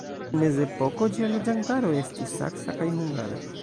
En mezepoko ĝia loĝantaro estis saksa kaj hungara.